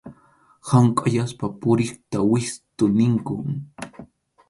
Hank’ayaspa puriqta wistʼu ninkum.